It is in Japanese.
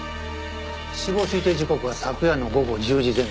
死亡推定時刻は昨夜の午後１０時前後。